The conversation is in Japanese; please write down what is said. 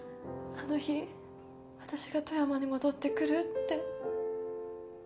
あの日私が富山に戻ってくるって。